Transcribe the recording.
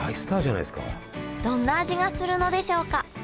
どんな味がするのでしょうか？